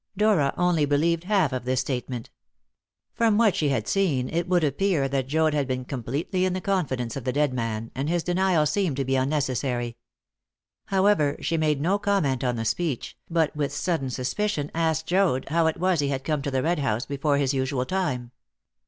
Dora only believed half of this statement. From what she had seen it would appear that Joad had been completely in the confidence of the dead man, and his denial seemed to be unnecessary. However, she made no comment on the speech, but with sudden suspicion asked Joad how it was he had come to the Red House before his usual time.